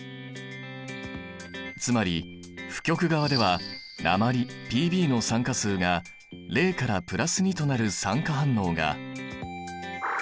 つまり負極側では鉛Ｐｂの酸化数が０から＋２となる酸化反応が。